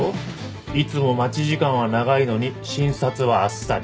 「いつも待ち時間は長いのに診察はあっさり」